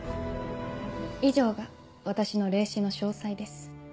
以上が私の霊視の詳細です。